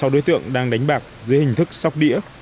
ba mươi sáu đối tượng đang đánh bạc dưới hình thức sóc đĩa